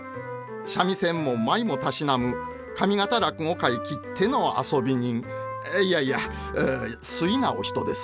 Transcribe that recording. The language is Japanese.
三味線も舞もたしなむ上方落語界きっての遊び人いやいや粋なお人です。